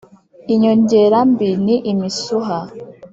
Inyongera mbi ni imisuha.